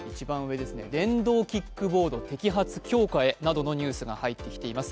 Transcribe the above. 電動キックボード摘発強化へなどのニュースが入ってきています。